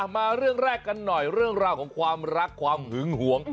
มาเรื่องแรกกันหน่อยเรื่องราวของความรักความหึงหวง